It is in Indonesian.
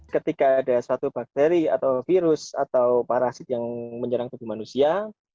ketika ada satu bakteri atau virus atau parasit yang menyerang tubuh manusia